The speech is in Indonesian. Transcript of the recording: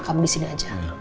kamu disini aja